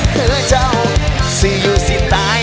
เธอเจ้าสิอยู่สิตาย